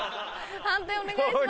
判定お願いします。